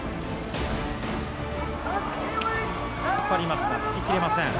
突っ張りますが突ききれません。